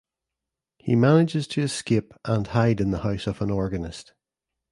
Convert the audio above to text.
He manages to escape and hide in the house of an organist.